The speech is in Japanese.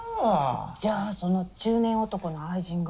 じゃあその中年男の愛人が？